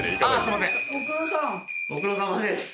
ご苦労さまです。